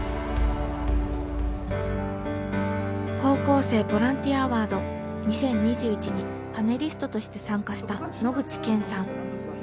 高校生ボランティアアワード２０２１にパネリストとして参加した野口健さん。